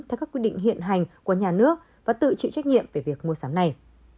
theo các quy định hiện hành của nhà nước và tự chịu trách nhiệm về việc mua sắm này